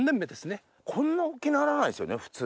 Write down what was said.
こんな大っきならないですよね普通。